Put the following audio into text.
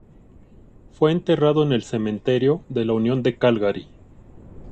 Fue enterrado en el cementerio de la Unión de Calgary.